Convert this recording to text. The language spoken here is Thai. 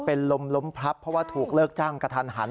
เป็นลมล้มพลับเพราะว่าถูกเลิกจ้างกระทันหัน